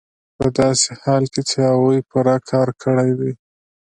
په داسې حال کې چې هغوی پوره کار کړی دی